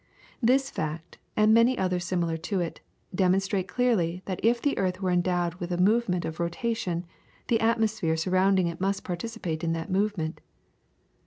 This fact, and many others similar to it, demonstrate clearly that if the earth were endowed with a movement of rotation, the atmosphere surrounding it must participate in that movement.